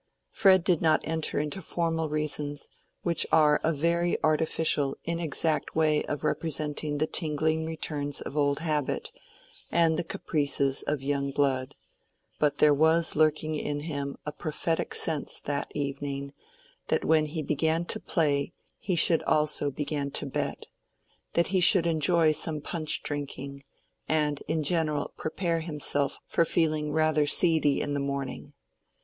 Fred did not enter into formal reasons, which are a very artificial, inexact way of representing the tingling returns of old habit, and the caprices of young blood: but there was lurking in him a prophetic sense that evening, that when he began to play he should also begin to bet—that he should enjoy some punch drinking, and in general prepare himself for feeling "rather seedy" in the morning.